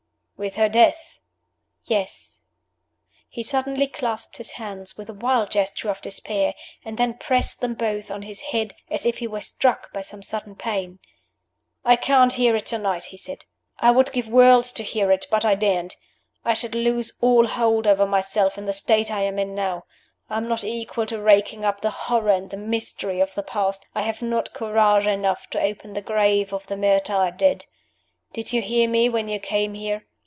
"With her death?" "Yes." He suddenly clasped his hands with a wild gesture of despair, and then pressed them both on his head, as if he were struck by some sudden pain. "I can't hear it to night!" he said. "I would give worlds to hear it, but I daren't. I should lose all hold over myself in the state I am in now. I am not equal to raking up the horror and the mystery of the past; I have not courage enough to open the grave of the martyred dead. Did you hear me when you came here?